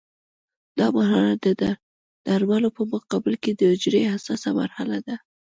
دا مرحله د درملو په مقابل کې د حجرې حساسه مرحله ده.